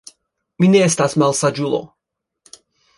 Mi ne estas malsaĝulo.